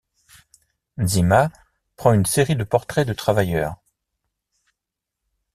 Nzima prend une série de portraits de travailleurs.